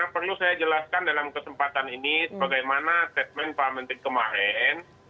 perlu saya jelaskan dalam kesempatan ini sebagaimana statement pak menteri kemarin